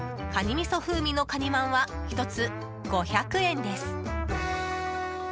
みそ風味のかにまんは１つ、５００円です。